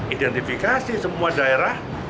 identifikasi semua daerah